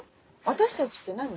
私たちって何？